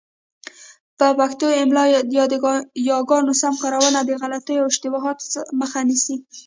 په پښتو املاء کي د یاګانو سمه کارونه د غلطیو او اشتباهاتو مخه نیسي.